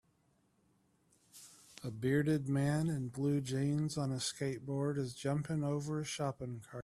A bearded man in blue jeans on a skateboard is jumping over a shopping cart.